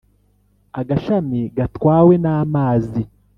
agashami gatwawe n’amazi.